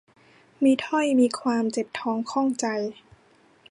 มีถ้อย มีความ เจ็บท้องข้องใจ